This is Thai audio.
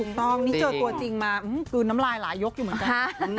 ต้องนี่เจอตัวจริงมากลืนน้ำลายหลายยกอยู่เหมือนกัน